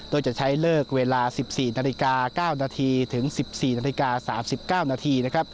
โดยจะใช้เลิกเวลา๑๔นาฬิกา๙นาทีถึง๑๔นาฬิกา๓๙นาทีนะครับ